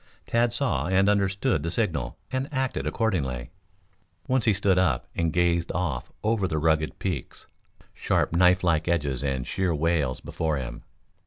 Tad saw and understood the signal and acted accordingly. Once he stood up and gazed off over the rugged peaks, sharp knife like edges and sheer wails before him.